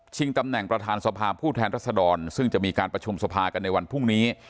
ตำแหน่งประธานสภาผู้แทนรัศดรซึ่งจะมีการประชุมสภากันในวันพรุ่งนี้